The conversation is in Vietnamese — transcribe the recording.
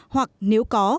hoặc nếu có